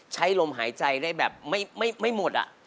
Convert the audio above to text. ใช้ลมหายใจได้แบบไม่หมด